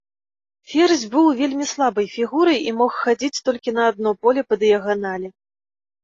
Ферзь быў вельмі слабай фігурай і мог хадзіць толькі на адно поле па дыяганалі.